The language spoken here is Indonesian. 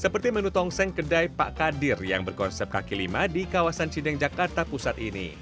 seperti menu tongseng kedai pak kadir yang berkonsep kaki lima di kawasan cideng jakarta pusat ini